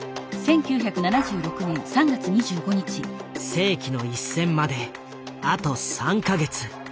「世紀の一戦」まであと３か月。